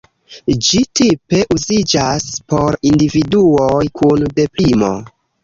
Ĝi tipe uziĝas por individuoj kun deprimo.